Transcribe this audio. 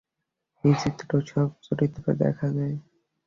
বিচিত্র সব চরিত্র দেখা যায়।